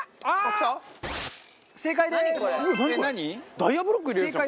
ダイヤブロック入れるやつじゃん。